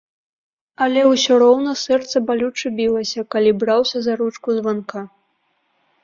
Але ўсё роўна сэрца балюча білася, калі браўся за ручку званка.